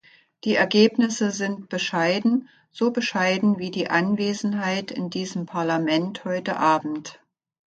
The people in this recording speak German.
Die Ergebnisse sind bescheiden, so bescheiden wie die Anwesenheit in diesem Parlament heute Abend.